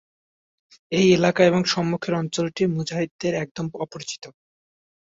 এই এলাকা এবং সম্মুখের অঞ্চলটি মুজাহিদদের একদম অপরিচিত।